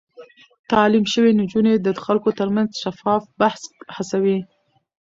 تعليم شوې نجونې د خلکو ترمنځ شفاف بحث هڅوي.